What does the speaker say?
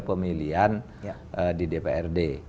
pemilihan di dprd